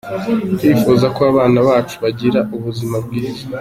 Twifuza ko abana bacu bagira ubuzima bwiza.